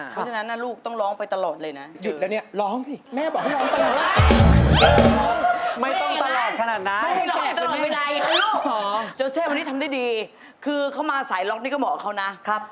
เพราะฉะนั้นลูกต้องร้องไปตลอดเลยนะ